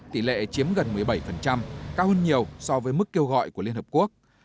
tỷ lệ chiếm gần một mươi bảy cao hơn nhiều so với mức kêu gọi của liên hợp quốc